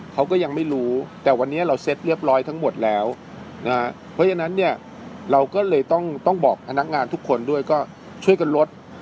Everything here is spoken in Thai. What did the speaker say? เขาก็ยังไม่รู้แต่วันนี้เราเซ็ตเรียบร้อยทั้งหมดแล้วนะเพราะฉะนั้นเนี่ยเราก็เลยต้องบอกพนักงานทุกคนด้วยก็ช่วยกันลด